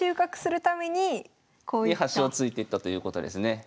で端を突いてったということですね。